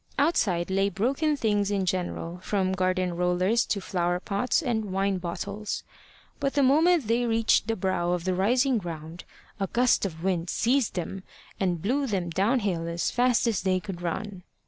Outside lay broken things in general, from garden rollers to flower pots and wine bottles. But the moment they reached the brow of the rising ground, a gust of wind seized them and blew them down hill as fast as they could run.